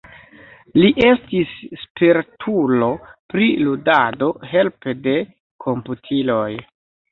Li estis spertulo pri ludado helpe de komputiloj.